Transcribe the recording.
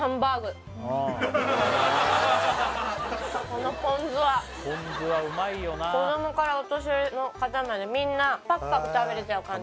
このポン酢は子供からお年寄りの方までみんなパクパク食べれちゃう感じ